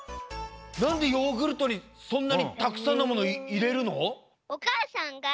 なんでヨーグルトにそんなにたくさんのものをいれるの？